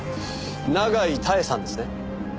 永井多恵さんですね？